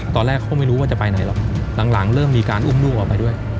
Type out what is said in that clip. ตอนแรกเขาก็ไม่รู้ว่าจะไปไหนหรอกหลังเริ่มมีการอุ้มลูกออกไปด้วย